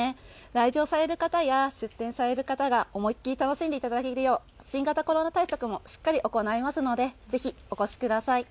来場される方や出店される方が思い切り楽しんでいただけるよう新型コロナ対策もしっかり行いますのでぜひお越しください。